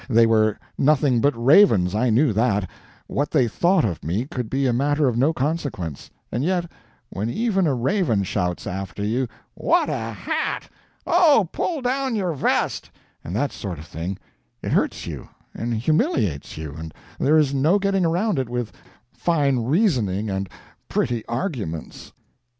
They were nothing but ravens I knew that what they thought of me could be a matter of no consequence and yet when even a raven shouts after you, "What a hat!" "Oh, pull down your vest!" and that sort of thing, it hurts you and humiliates you, and there is no getting around it with fine reasoning and pretty arguments.